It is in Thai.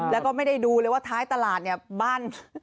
แล้วก็ไม่ได้ดูเลยว่าท้ายตลาดเนี่ยบ้าน